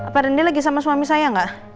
pak rendi lagi sama suami saya gak